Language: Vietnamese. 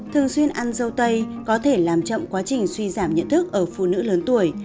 thường xuyên ăn dâu tây có thể làm chậm quá trình suy giảm nhận thức ở phụ nữ lớn tuổi